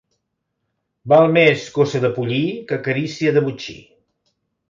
Val més coça de pollí que carícia de botxí.